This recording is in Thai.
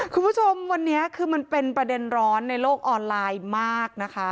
คุณผู้ชมวันนี้คือมันเป็นประเด็นร้อนในโลกออนไลน์มากนะคะ